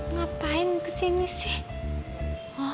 ngapain kesini sih